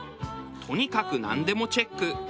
とにかくなんでもチェック。